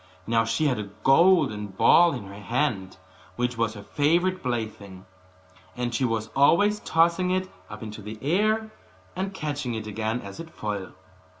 Now she had a golden ball in her hand, which was her favourite plaything; and she was always tossing it up into the air, and catching it again as it fell.